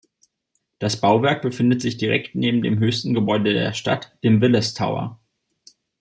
Das Bauwerk befindet sich direkt neben dem höchsten Gebäude der Stadt, dem Willis Tower.